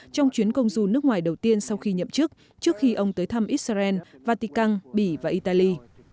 trong chuyến công du nước ngoài đầu tiên sau khi nhậm chức trước khi ông tới thăm israel vatican bỉ và italy